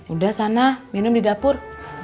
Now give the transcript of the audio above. udah sana minum di dapur